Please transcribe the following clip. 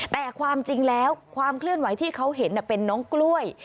แต่ความจริงแล้วความเคลื่อนไหวที่เขาเห็นเป็นน้องกล้วย